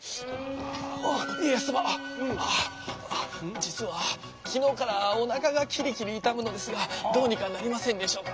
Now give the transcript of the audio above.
実は昨日からおなかがキリキリ痛むのですがどうにかなりませんでしょうか？